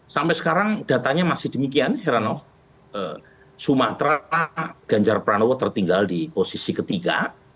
sampai sekarang datanya masih demikian heranov sumatera ganjar pranowo tertinggal di posisi ketiga